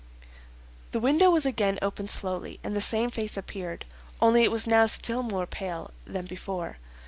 The window was again opened slowly, and the same face appeared, only it was now still more pale than before.